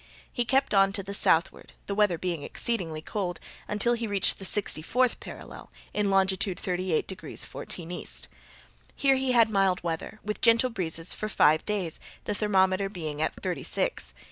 He kept on to the southward, the weather being exceedingly cold, until he reached the sixty fourth parallel, in longitude 38 degrees 14' E. Here he had mild weather, with gentle breezes, for five days, the thermometer being at thirty six.